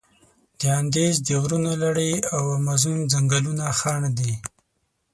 د اندیز د غرونو لړي او امازون ځنګلونه خنډ دي.